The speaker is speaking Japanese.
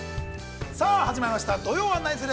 さあ、始まりました、「土曜はナニする！？」。